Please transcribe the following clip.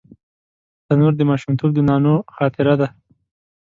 تنور د ماشومتوب د نانو خاطره ده